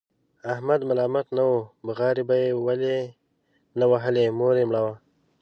احمد ملامت نه و، بغارې به یې ولې نه وهلې؛ مور یې مړه وه.